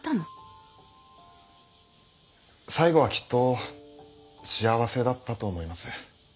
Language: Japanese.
最後はきっと幸せだったと思います。